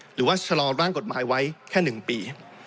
หรือว่าชะลอร่างกฎหมายไว้แค่๑ปี